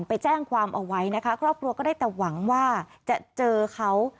ไปแจ้งความเอาไว้นะคะครอบครัวก็ได้แต่หวังว่าจะเจอเขา